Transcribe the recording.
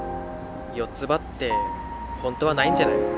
４つ葉ってほんとはないんじゃないの。